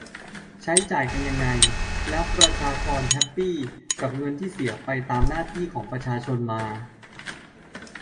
ใช้จ่ายกันยังไง แล้วประชากรแฮปปี้กับเงินที่เสียไปตามหน้าที่ของประชาชนมา